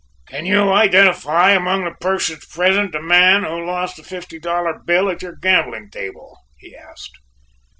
"Can you identify among the persons present the man who lost the fifty dollar bill at your gambling table?" he asked.